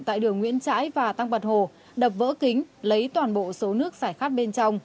tại đường nguyễn trãi và tăng vật hồ đập vỡ kính lấy toàn bộ số nước giải khát bên trong